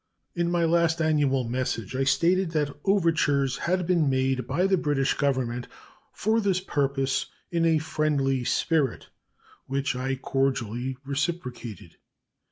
In my last annual message I stated that overtures had been made by the British Government for this purpose in a friendly spirit, which I cordially reciprocated.